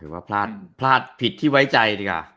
แบบพลาดผิดที่ไว้ใจ